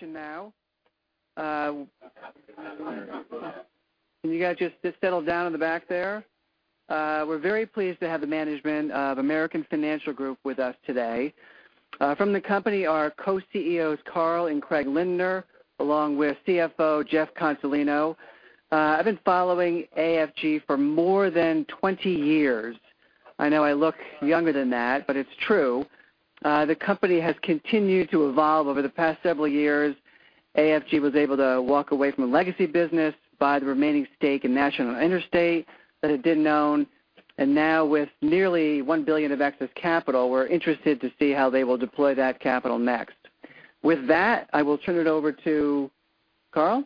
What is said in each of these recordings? Next presentation now. Can you guys just settle down in the back there? We're very pleased to have the management of American Financial Group with us today. From the company are Co-CEOs, Carl and Craig Lindner, along with CFO Jeff Consolino. I've been following AFG for more than 20 years. I know I look younger than that, but it's true. The company has continued to evolve over the past several years. AFG was able to walk away from a legacy business, buy the remaining stake in National Interstate that it didn't own, and now with nearly $1 billion of excess capital, we're interested to see how they will deploy that capital next. With that, I will turn it over to Carl.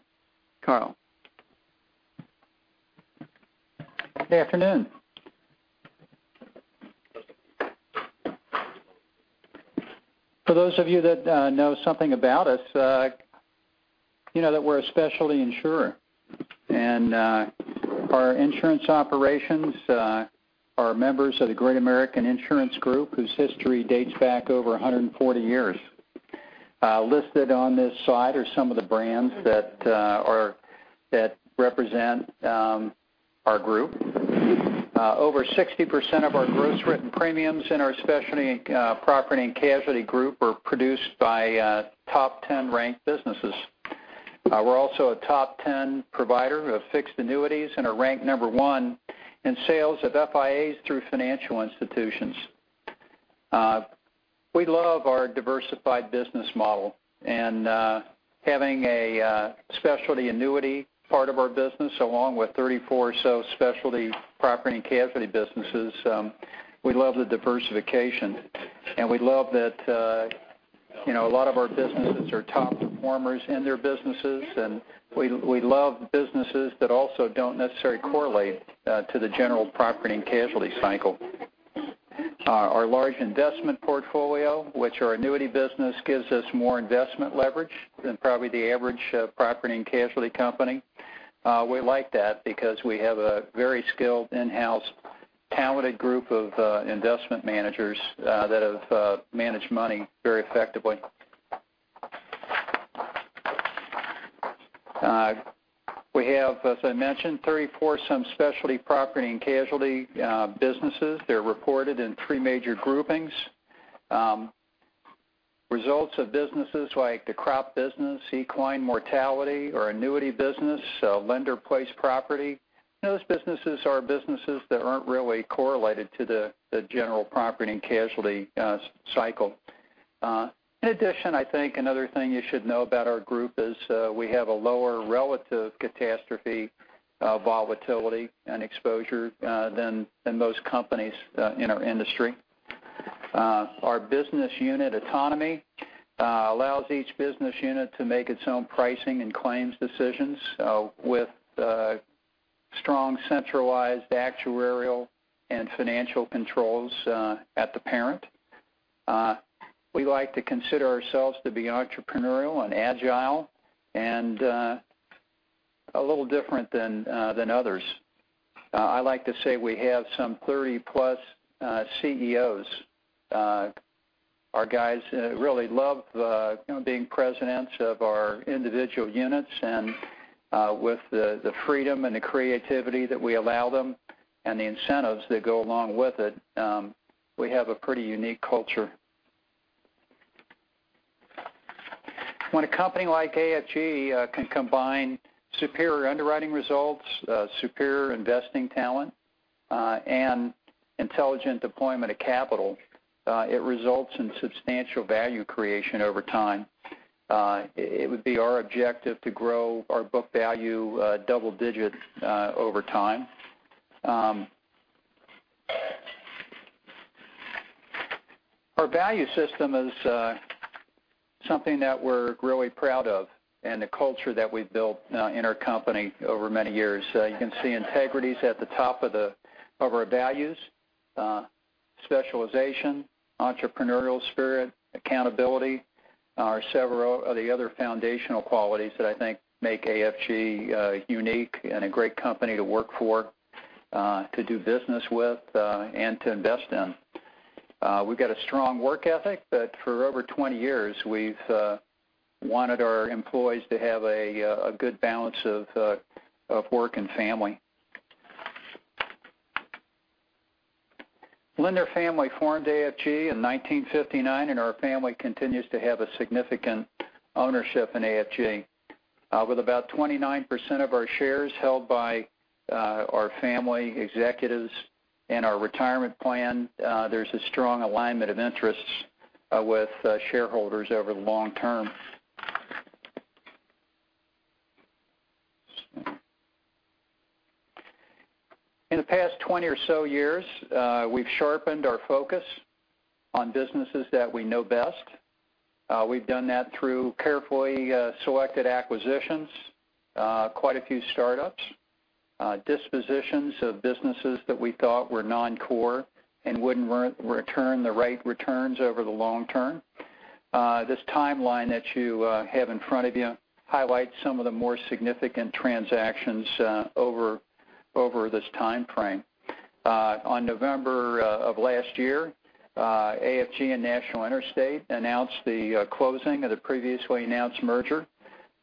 Carl. Good afternoon. For those of you that know something about us, you know that we're a specialty insurer. Our insurance operations are members of the Great American Insurance Group, whose history dates back over 140 years. Listed on this slide are some of the brands that represent our group. Over 60% of our gross written premiums in our specialty property and casualty group are produced by Top 10 ranked businesses. We're also a Top 10 provider of fixed annuities and are ranked number one in sales of FIAs through financial institutions. We love our diversified business model and having a specialty annuity part of our business, along with 34 or so specialty property and casualty businesses. We love the diversification, we love that a lot of our businesses are top performers in their businesses, and we love businesses that also don't necessarily correlate to the general property and casualty cycle. Our large investment portfolio, which our annuity business gives us more investment leverage than probably the average property and casualty company. We like that because we have a very skilled, in-house, talented group of investment managers that have managed money very effectively. We have, as I mentioned, 34 some specialty property and casualty businesses. They're reported in three major groupings. Results of businesses like the crop business, equine mortality or annuity business, lender-placed property. Those businesses are businesses that aren't really correlated to the general property and casualty cycle. In addition, I think another thing you should know about our group is we have a lower relative catastrophe volatility and exposure than most companies in our industry. Our business unit autonomy allows each business unit to make its own pricing and claims decisions with strong centralized actuarial and financial controls at the parent. We like to consider ourselves to be entrepreneurial and agile and a little different than others. I like to say we have some 30-plus CEOs. Our guys really love being presidents of our individual units, and with the freedom and the creativity that we allow them and the incentives that go along with it, we have a pretty unique culture. When a company like AFG can combine superior underwriting results, superior investing talent, and intelligent deployment of capital, it results in substantial value creation over time. It would be our objective to grow our book value double digit over time. Our value system is something that we're really proud of and the culture that we've built in our company over many years. You can see integrity is at the top of our values. Specialization, entrepreneurial spirit, accountability are several of the other foundational qualities that I think make AFG unique and a great company to work for, to do business with, and to invest in. We've got a strong work ethic that for over 20 years we've wanted our employees to have a good balance of work and family. Lindner family formed AFG in 1959, and our family continues to have a significant ownership in AFG. With about 29% of our shares held by our family executives and our retirement plan, there's a strong alignment of interests with shareholders over the long term. In the past 20 or so years, we've sharpened our focus on businesses that we know best. We've done that through carefully selected acquisitions, quite a few startups, dispositions of businesses that we thought were non-core and wouldn't return the right returns over the long term. This timeline that you have in front of you highlights some of the more significant transactions over this time frame. On November of last year, AFG and National Interstate announced the closing of the previously announced merger,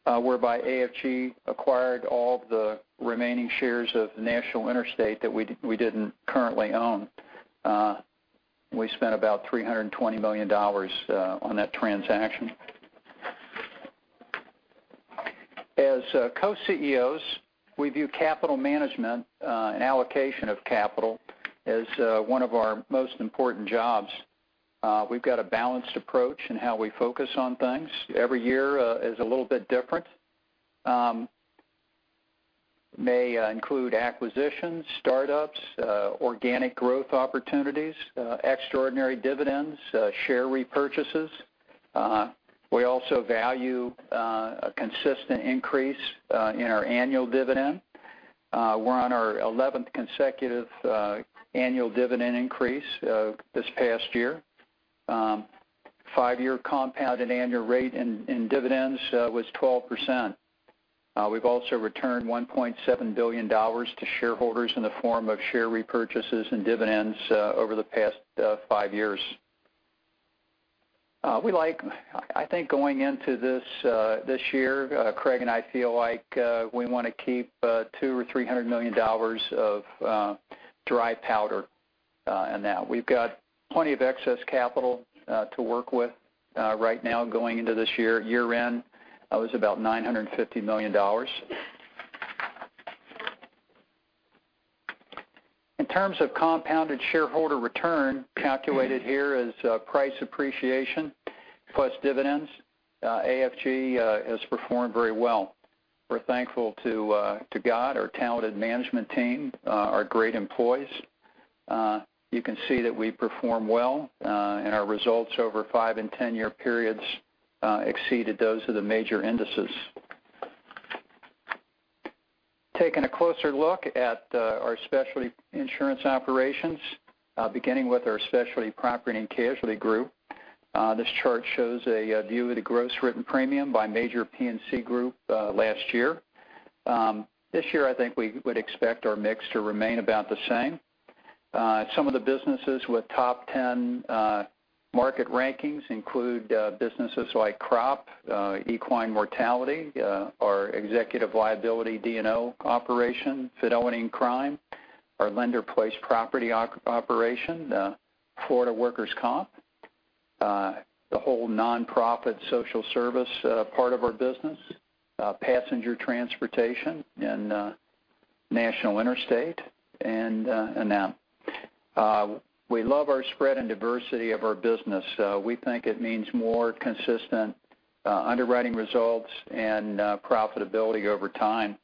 whereby AFG acquired all the remaining shares of National Interstate that we didn't currently own. We spent about $320 million on that transaction. As Co-CEOs, we view capital management and allocation of capital as one of our most important jobs. We've got a balanced approach in how we focus on things. Every year is a little bit different. May include acquisitions, startups, organic growth opportunities, extraordinary dividends, share repurchases. We also value a consistent increase in our annual dividend. We're on our 11th consecutive annual dividend increase this past year. Five-year compounded annual rate in dividends was 12%. We've also returned $1.7 billion to shareholders in the form of share repurchases and dividends over the past five years. I think going into this year, Craig and I feel like we want to keep $200 or $300 million of dry powder in that. We've got plenty of excess capital to work with right now going into this year. Year-end, that was about $950 million. In terms of compounded shareholder return, calculated here as price appreciation plus dividends, AFG has performed very well. We're thankful to God, our talented management team, our great employees. You can see that we perform well, and our results over five and 10-year periods exceeded those of the major indices. Taking a closer look at our specialty insurance operations, beginning with our specialty property and casualty group. This chart shows a view of the gross written premium by major P&C group last year. This year, I think we would expect our mix to remain about the same. Some of the businesses with top 10 market rankings include businesses like crop, equine mortality, our executive liability D&O operation, fidelity and crime, our lender placed property operation, Florida workers' comp, the whole nonprofit social service part of our business, passenger transportation, and National Interstate, and now. We love our spread and diversity of our business. We think it means more consistent underwriting results and profitability over time.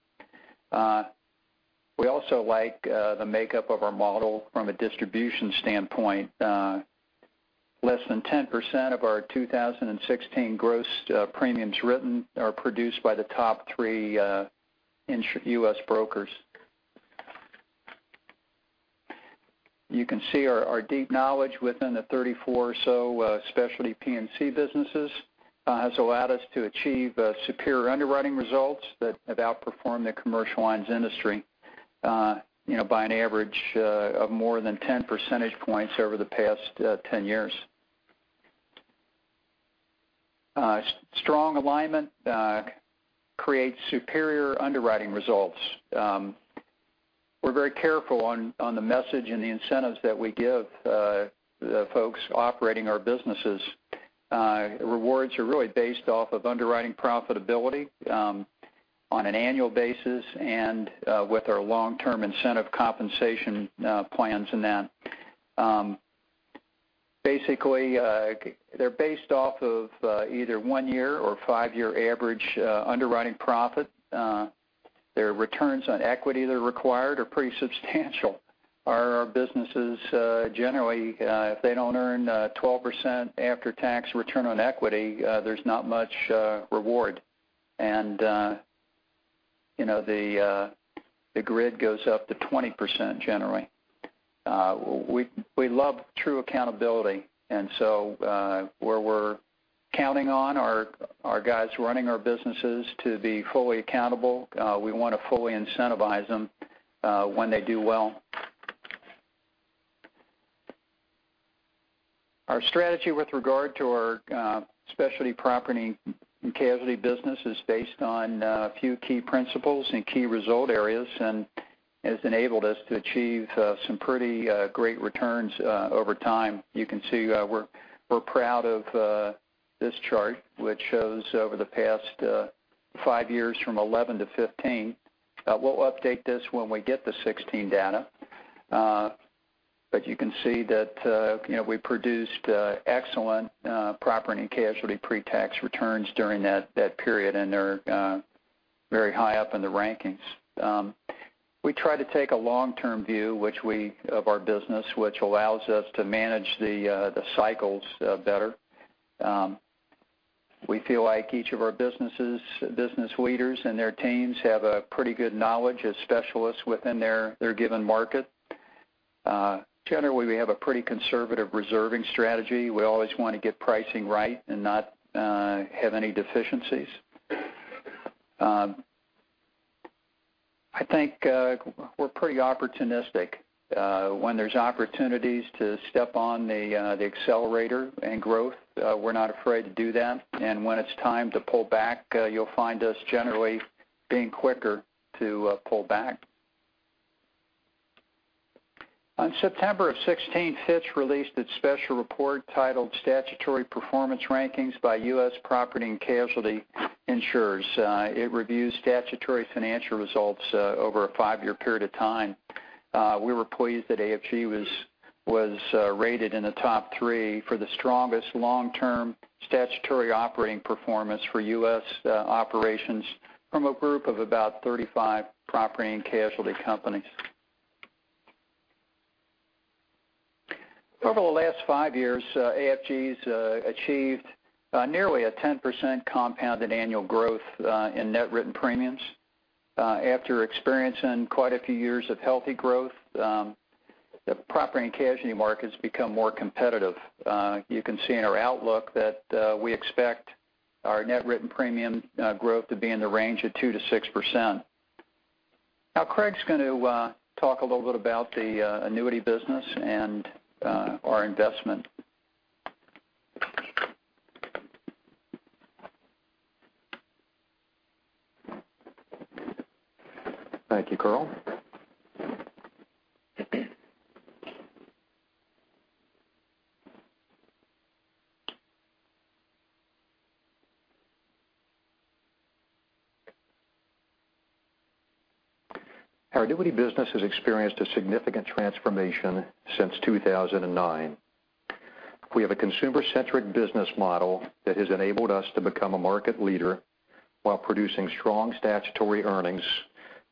We also like the makeup of our model from a distribution standpoint. Less than 10% of our 2016 gross premiums written are produced by the top three U.S. brokers. You can see our deep knowledge within the 34 or so specialty P&C businesses has allowed us to achieve superior underwriting results that have outperformed the commercial lines industry by an average of more than 10 percentage points over the past 10 years. Strong alignment creates superior underwriting results. We're very careful on the message and the incentives that we give the folks operating our businesses. Rewards are really based off of underwriting profitability on an annual basis and with our long-term incentive compensation plans in that. Basically, they're based off of either one-year or five-year average underwriting profit. Their returns on equity that are required are pretty substantial. Our businesses, generally, if they don't earn 12% after-tax return on equity, there's not much reward, and the grid goes up to 20%, generally. We love true accountability. Where we're counting on our guys running our businesses to be fully accountable, we want to fully incentivize them when they do well. Our strategy with regard to our specialty property and casualty business is based on a few key principles and key result areas and has enabled us to achieve some pretty great returns over time. You can see we're proud of this chart, which shows over the past five years, from 2011 to 2015. We'll update this when we get the 2016 data. You can see that we produced excellent property and casualty pre-tax returns during that period, and they're very high up in the rankings. We try to take a long-term view of our business, which allows us to manage the cycles better. We feel like each of our business leaders and their teams have a pretty good knowledge as specialists within their given market. Generally, we have a pretty conservative reserving strategy. We always want to get pricing right and not have any deficiencies. I think we're pretty opportunistic. When there's opportunities to step on the accelerator in growth, we're not afraid to do that. When it's time to pull back, you'll find us generally being quicker to pull back. On September 2016, Fitch released its special report titled Statutory Performance Rankings by U.S. Property and Casualty Insurers. It reviews statutory financial results over a five-year period of time. We were pleased that AFG was rated in the top three for the strongest long-term statutory operating performance for U.S. operations from a group of about 35 property and casualty companies. Over the last five years, AFG's achieved nearly a 10% compounded annual growth in net written premiums. After experiencing quite a few years of healthy growth, the property and casualty market's become more competitive. You can see in our outlook that we expect our net written premium growth to be in the range of 2%-6%. Craig's going to talk a little bit about the annuity business and our investment. Thank you, Carl. Our annuity business has experienced a significant transformation since 2009. We have a consumer-centric business model that has enabled us to become a market leader while producing strong statutory earnings,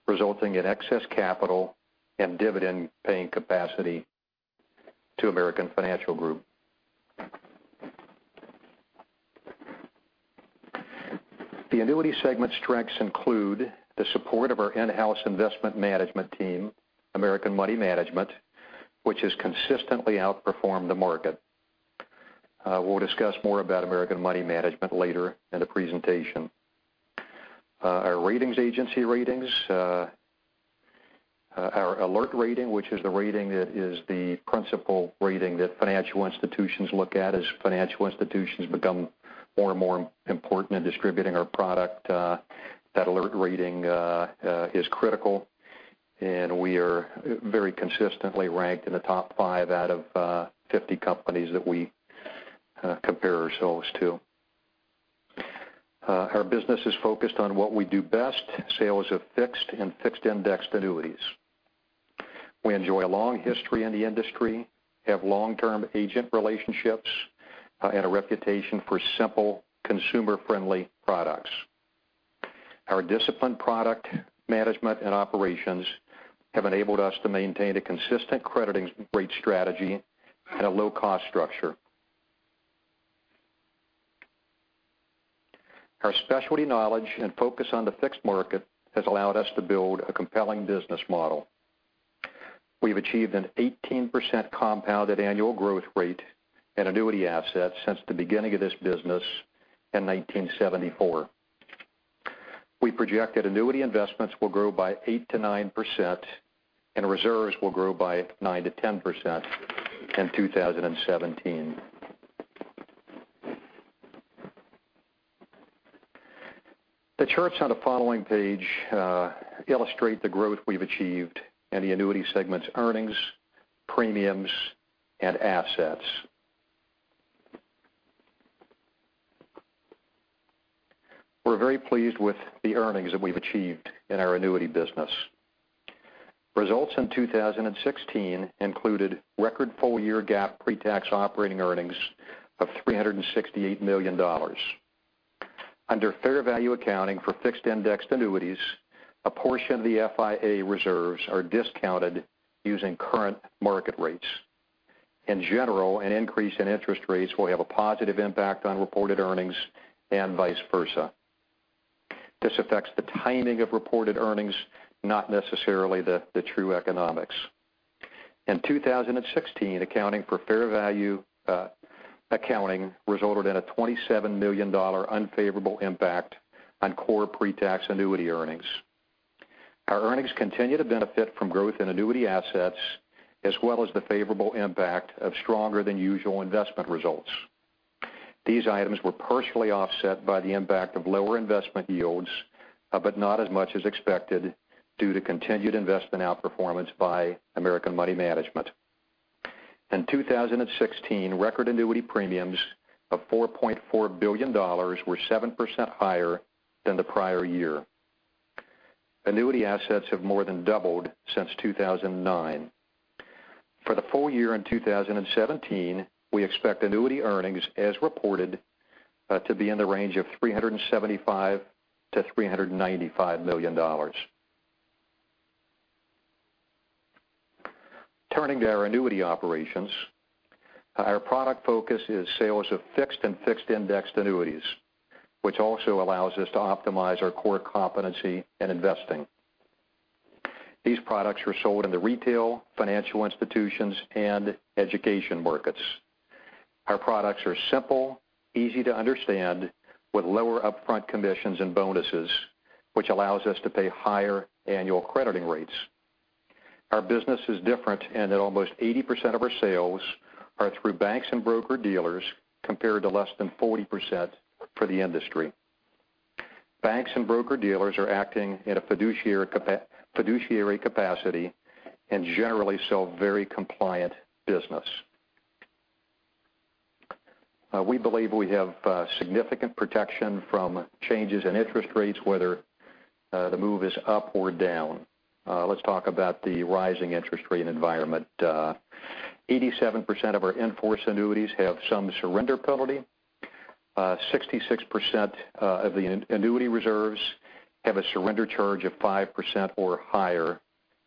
resulting in excess capital and dividend-paying capacity to American Financial Group. The annuity segment strengths include the support of our in-house investment management team, American Money Management, which has consistently outperformed the market. We will discuss more about American Money Management later in the presentation. Our ratings agency ratings, our ALIRT rating, which is the rating that is the principal rating that financial institutions look at as financial institutions become more and more important in distributing our product. That ALIRT rating is critical, and we are very consistently ranked in the top five out of 50 companies that we compare ourselves to. Our business is focused on what we do best, sales of fixed and fixed-indexed annuities. We enjoy a long history in the industry, have long-term agent relationships, and a reputation for simple, consumer-friendly products. Our disciplined product management and operations have enabled us to maintain a consistent crediting rate strategy and a low-cost structure. Our specialty knowledge and focus on the fixed market has allowed us to build a compelling business model. We have achieved an 18% compounded annual growth rate in annuity assets since the beginning of this business in 1974. We project that annuity investments will grow by 8% to 9%, and reserves will grow by 9% to 10% in 2017. The charts on the following page illustrate the growth we have achieved in the annuity segment's earnings, premiums, and assets. We are very pleased with the earnings that we have achieved in our annuity business. Results in 2016 included record full-year GAAP pre-tax operating earnings of $368 million. Under fair value accounting for fixed-indexed annuities, a portion of the FIA reserves are discounted using current market rates. In general, an increase in interest rates will have a positive impact on reported earnings and vice versa. This affects the timing of reported earnings, not necessarily the true economics. In 2016, accounting for fair value accounting resulted in a $27 million unfavorable impact on core pre-tax annuity earnings. Our earnings continue to benefit from growth in annuity assets, as well as the favorable impact of stronger than usual investment results. These items were partially offset by the impact of lower investment yields, but not as much as expected due to continued investment outperformance by American Money Management. In 2016, record annuity premiums of $4.4 billion were 7% higher than the prior year. Annuity assets have more than doubled since 2009. For the full year in 2017, we expect annuity earnings, as reported, to be in the range of $375 million-$395 million. Turning to our annuity operations, our product focus is sales of fixed and fixed-indexed annuities, which also allows us to optimize our core competency in investing. These products are sold in the retail, financial institutions, and education markets. Our products are simple, easy to understand, with lower upfront commissions and bonuses, which allows us to pay higher annual crediting rates. Our business is different in that almost 80% of our sales are through banks and broker-dealers, compared to less than 40% for the industry. Banks and broker-dealers are acting in a fiduciary capacity and generally sell very compliant business. We believe we have significant protection from changes in interest rates, whether the move is up or down. Let's talk about the rising interest rate environment. 87% of our in-force annuities have some surrender penalty. 66% of the annuity reserves have a surrender charge of 5% or higher,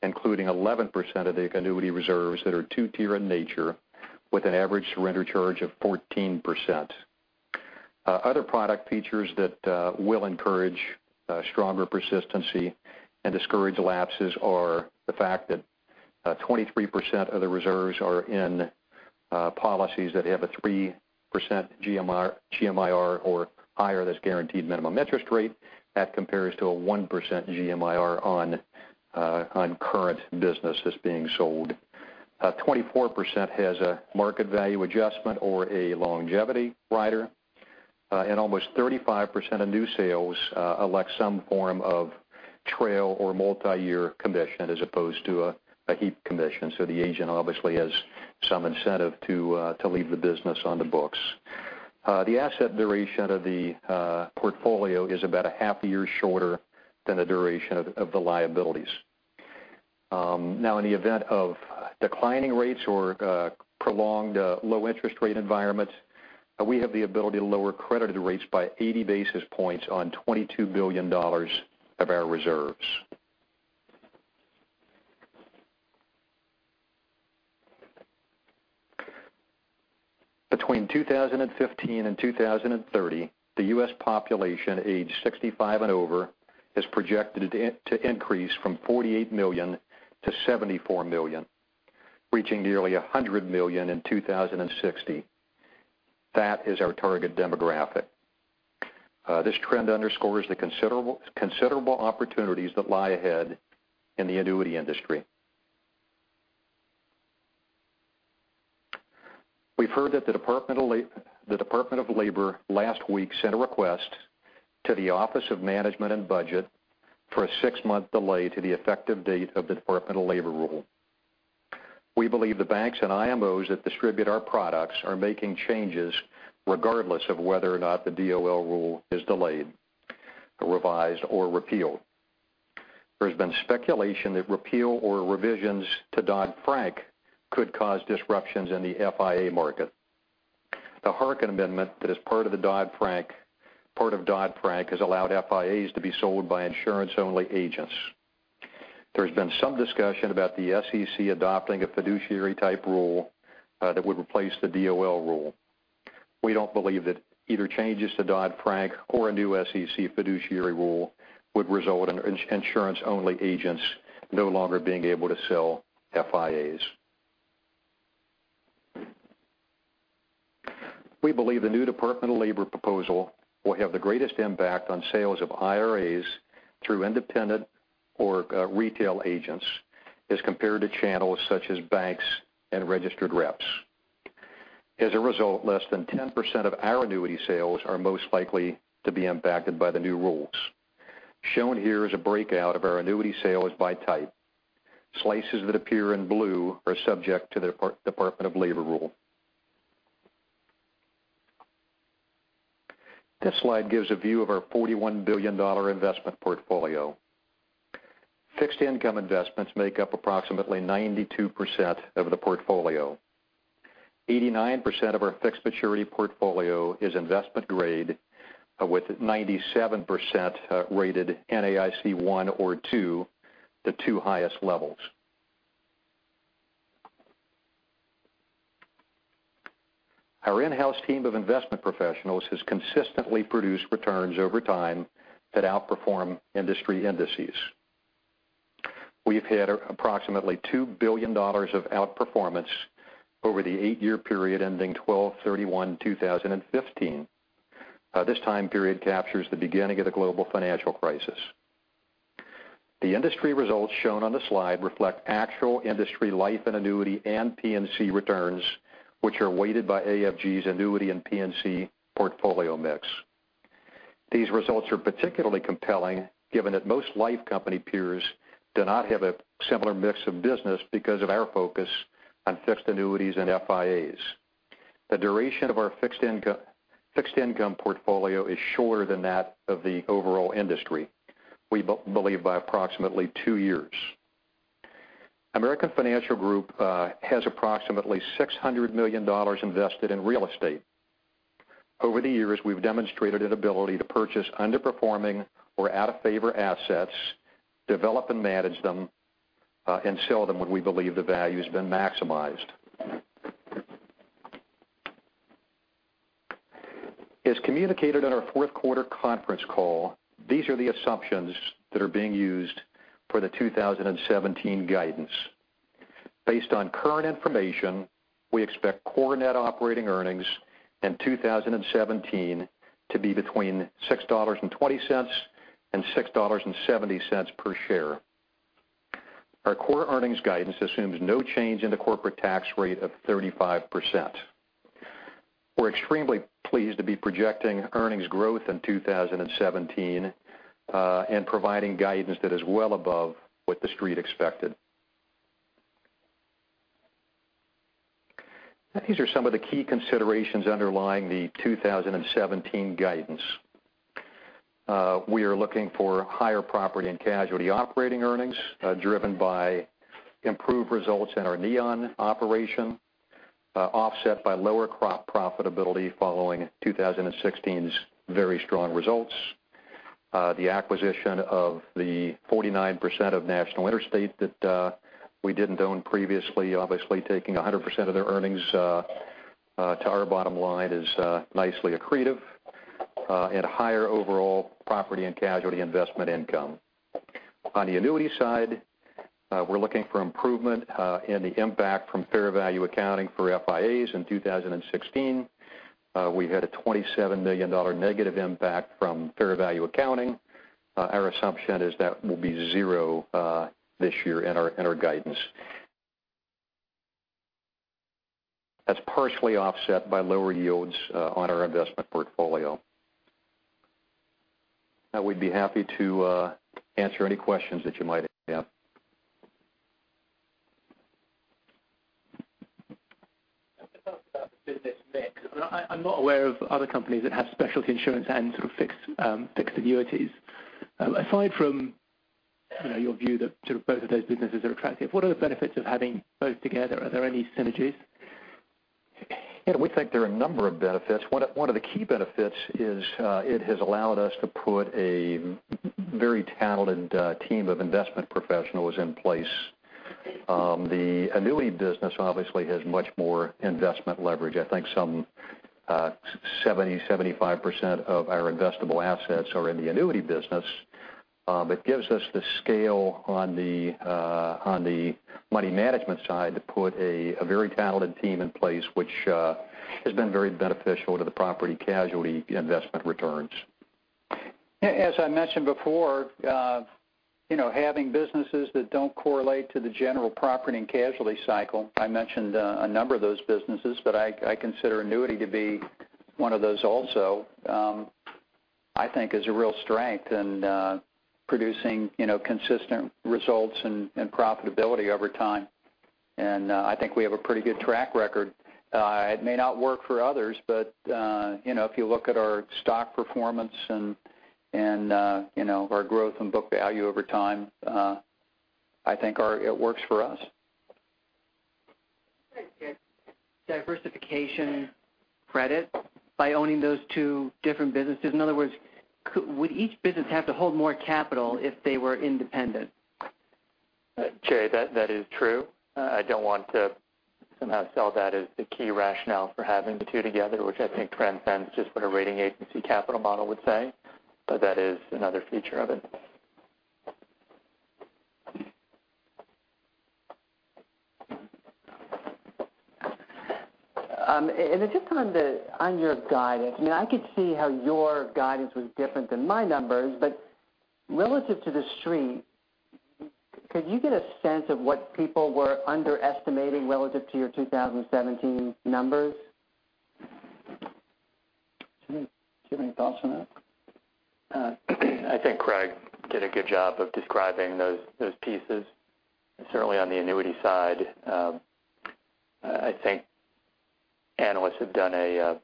including 11% of the annuity reserves that are 2-tier in nature, with an average surrender charge of 14%. Other product features that will encourage stronger persistency and discourage lapses are the fact that 23% of the reserves are in policies that have a 3% GMIR or higher. That's guaranteed minimum interest rate. That compares to a 1% GMIR on current business that's being sold. 24% has a market value adjustment or a longevity rider. Almost 35% of new sales elect some form of trail or multi-year commission as opposed to an upfront commission. The agent obviously has some incentive to leave the business on the books. The asset duration of the portfolio is about a half a year shorter than the duration of the liabilities. Now, in the event of declining rates or prolonged low interest rate environments, we have the ability to lower credited rates by 80 basis points on $22 billion of our reserves. Between 2015 and 2030, the U.S. population aged 65 and over is projected to increase from 48 million to 74 million, reaching nearly 100 million in 2060. That is our target demographic. This trend underscores the considerable opportunities that lie ahead in the annuity industry. We've heard that the Department of Labor last week sent a request to the Office of Management and Budget for a six-month delay to the effective date of the Department of Labor rule. We believe the banks and IMOs that distribute our products are making changes regardless of whether or not the DOL rule is delayed, revised, or repealed. There has been speculation that repeal or revisions to Dodd-Frank could cause disruptions in the FIA market. The Harkin amendment that is part of Dodd-Frank has allowed FIAs to be sold by insurance-only agents. There's been some discussion about the SEC adopting a fiduciary-type rule that would replace the DOL rule. We don't believe that either changes to Dodd-Frank or a new SEC fiduciary rule would result in insurance-only agents no longer being able to sell FIAs. We believe the new Department of Labor proposal will have the greatest impact on sales of IRAs through independent or retail agents as compared to channels such as banks and registered reps. As a result, less than 10% of our annuity sales are most likely to be impacted by the new rules. Shown here is a breakout of our annuity sales by type. Slices that appear in blue are subject to the Department of Labor rule. This slide gives a view of our $41 billion investment portfolio. Fixed income investments make up approximately 92% of the portfolio. 89% of our fixed maturity portfolio is investment grade, with 97% rated NAIC 1 or 2, the two highest levels. Our in-house team of investment professionals has consistently produced returns over time that outperform industry indices. We've had approximately $2 billion of outperformance over the eight-year period ending 12/31/2015. This time period captures the beginning of the global financial crisis. The industry results shown on the slide reflect actual industry life and annuity and P&C returns, which are weighted by AFG's annuity and P&C portfolio mix. These results are particularly compelling given that most life company peers do not have a similar mix of business because of our focus on fixed annuities and FIAs. The duration of our fixed income portfolio is shorter than that of the overall industry, we believe by approximately two years. American Financial Group has approximately $600 million invested in real estate. Over the years, we've demonstrated an ability to purchase underperforming or out-of-favor assets, develop and manage them, and sell them when we believe the value has been maximized. As communicated on our fourth quarter conference call, these are the assumptions that are being used for the 2017 guidance. Based on current information, we expect core net operating earnings in 2017 to be between $6.20 and $6.70 per share. Our core earnings guidance assumes no change in the corporate tax rate of 35%. We're extremely pleased to be projecting earnings growth in 2017, and providing guidance that is well above what the Street expected. These are some of the key considerations underlying the 2017 guidance. We are looking for higher Property and Casualty operating earnings, driven by improved results in our Neon operation, offset by lower crop profitability following 2016's very strong results. The acquisition of the 49% of National Interstate that we didn't own previously, obviously taking 100% of their earnings to our bottom line is nicely accretive, and higher overall Property and Casualty investment income. On the annuity side, we're looking for improvement in the impact from fair value accounting for FIAs in 2016. We had a $27 million negative impact from fair value accounting. Our assumption is that will be zero this year in our guidance. That's partially offset by lower yields on our investment portfolio. Now we'd be happy to answer any questions that you might have. Let's talk about the business mix. I'm not aware of other companies that have specialty insurance and fixed annuities. Aside from your view that both of those businesses are attractive, what are the benefits of having both together? Are there any synergies? Yeah, we think there are a number of benefits. One of the key benefits is it has allowed us to put a very talented team of investment professionals in place. The annuity business obviously has much more investment leverage. I think some 70%-75% of our investable assets are in the annuity business. That gives us the scale on the money management side to put a very talented team in place, which has been very beneficial to the property casualty investment returns. As I mentioned before, having businesses that don't correlate to the general property and casualty cycle, I mentioned a number of those businesses, but I consider annuity to be one of those also, I think is a real strength in producing consistent results and profitability over time. I think we have a pretty good track record. It may not work for others, but if you look at our stock performance and our growth in book value over time, I think it works for us. Do you get diversification credit by owning those two different businesses? In other words, would each business have to hold more capital if they were independent? Jay, that is true. I don't want to somehow sell that as the key rationale for having the two together, which I think transcends just what a rating agency capital model would say, but that is another feature of it. Just on your guidance, I could see how your guidance was different than my numbers, but relative to the Street, could you get a sense of what people were underestimating relative to your 2017 numbers? Do you have any thoughts on that? I think Craig did a good job of describing those pieces. Certainly on the annuity side, I think analysts have done a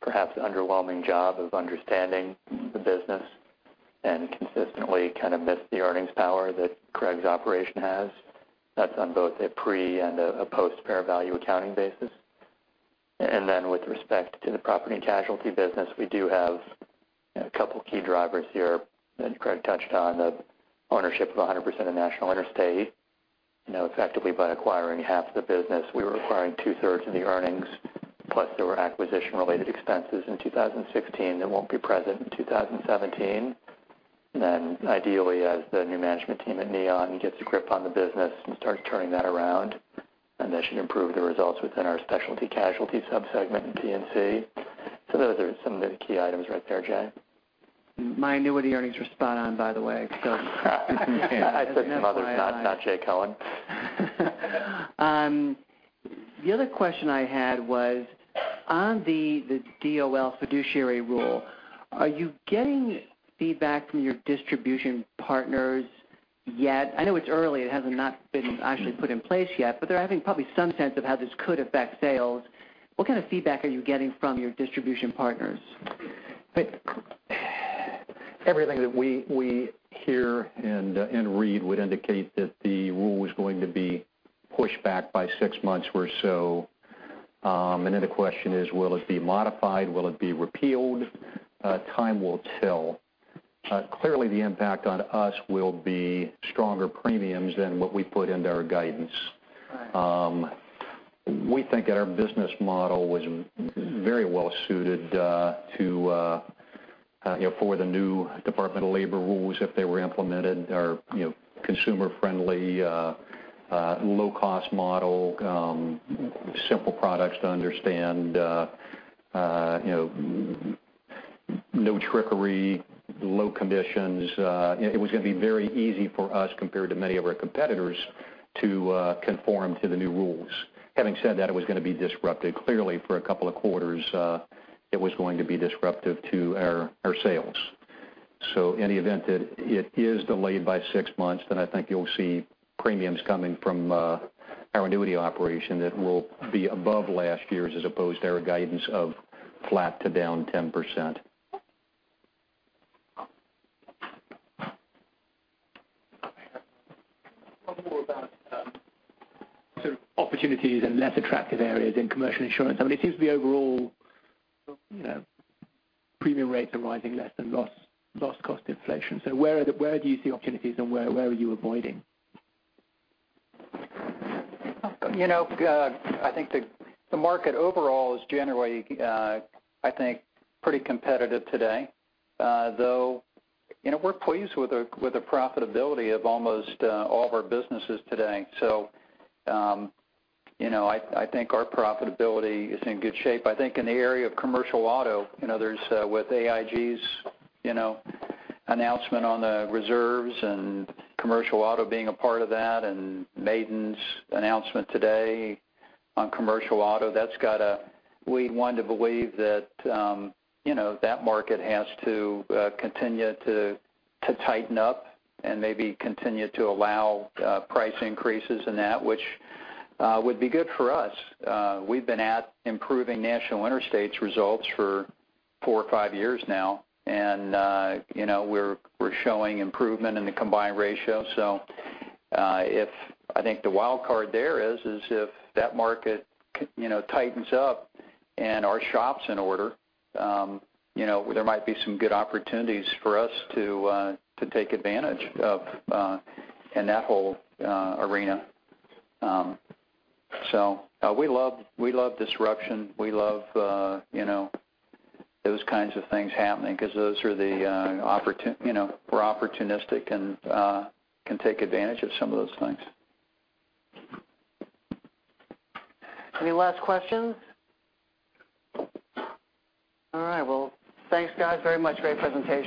perhaps underwhelming job of understanding the business and consistently kind of missed the earnings power that Craig's operation has. That's on both a pre and a post fair value accounting basis. With respect to the property and casualty business, we do have a couple key drivers here that Craig touched on, the ownership of 100% of National Interstate. Effectively by acquiring half the business, we were acquiring two-thirds of the earnings. There were acquisition-related expenses in 2016 that won't be present in 2017. Ideally, as the new management team at Neon gets a grip on the business and starts turning that around, that should improve the results within our specialty casualty sub-segment in P&C. Those are some of the key items right there, Jay. My annuity earnings were spot on, by the way. I said some others, not Jay Cohen. The other question I had was on the DOL fiduciary rule, are you getting feedback from your distribution partners yet? I know it's early, it has not been actually put in place yet, but they're having probably some sense of how this could affect sales. What kind of feedback are you getting from your distribution partners? Everything that we hear and read would indicate that the rule is going to be pushed back by six months or so. The question is, will it be modified? Will it be repealed? Time will tell. Clearly, the impact on us will be stronger premiums than what we put into our guidance. Right. We think that our business model was very well suited for the new Department of Labor rules, if they were implemented. Our consumer-friendly, low-cost model, simple products to understand, no trickery, low conditions. It was going to be very easy for us, compared to many of our competitors, to conform to the new rules. Having said that, it was going to be disruptive. Clearly, for a couple of quarters, it was going to be disruptive to our sales. In the event that it is delayed by six months, I think you'll see premiums coming from our annuity operation that will be above last year's, as opposed to our guidance of flat to down 10%. Okay. One more about sort of opportunities in less attractive areas in commercial insurance. It seems the overall premium rates are rising less than loss cost inflation. Where do you see opportunities, and where are you avoiding? I think the market overall is generally pretty competitive today, though we're pleased with the profitability of almost all of our businesses today. I think our profitability is in good shape. I think in the area of commercial auto, with AIG's announcement on the reserves, and commercial auto being a part of that, and Maiden's announcement today on commercial auto, we want to believe that that market has to continue to tighten up and maybe continue to allow price increases and that, which would be good for us. We've been at improving National Interstate's results for four or five years now, and we're showing improvement in the combined ratio. I think the wild card there is if that market tightens up and our shop's in order, there might be some good opportunities for us to take advantage of in that whole arena. We love disruption. We love those kinds of things happening because we're opportunistic and can take advantage of some of those things. Any last questions? All right, well, thanks guys, very much. Great presentation.